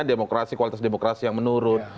demokrasi kualitas demokrasi yang menurun